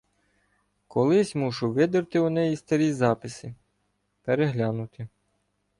Колись мушу видерти у неї старі записи, переглянути.